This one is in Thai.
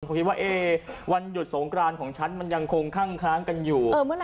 ผมคิดว่าวันหยุดสงกรานของฉันมันยังคงคั่งค้างกันอยู่